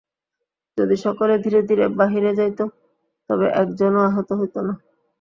যদি সকলে ধীরে ধীরে বাহিরে যাইত, তবে একজনও আহত হইত না।